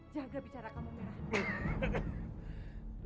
jangan berbicara kamu merah